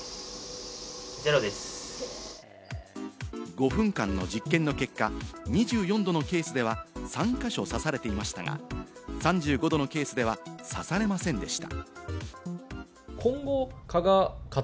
５分間の実験の結果、２４度のケースでは３か所刺されていましたが、３５度のケースでは刺されませんでした。